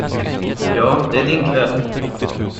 Ja, det är din kväll.